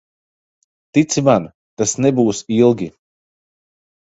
Tici man, tas nebūs ilgi.